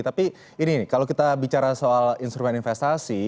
tapi ini nih kalau kita bicara soal instrumen investasi